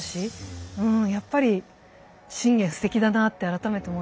やっぱり信玄すてきだなって改めて思いましたね。